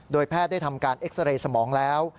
แพทย์ได้ทำการเอ็กซาเรย์สมองแล้ว